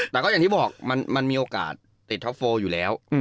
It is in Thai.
อย่างที่บอกมันมีโอกาสติดท็อม๔อยู่แล้ว